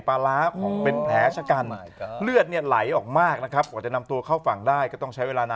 เป็นเหมือนจุดนัดพบพอดีเลยนะ